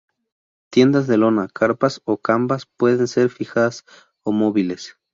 Tiendas de lona, carpas o canvas pueden ser fijas o móviles.